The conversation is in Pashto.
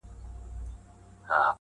کښتي وان ویل مُلا صرفي لا څه دي.!